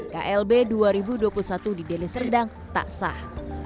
klb dua ribu dua puluh satu di deli serdang tak sah